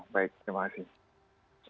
baik terima kasih